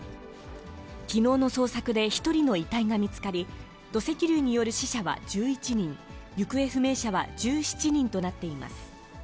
きのうの捜索で１人の遺体が見つかり、土石流による死者は１１人、行方不明者は１７人となっています。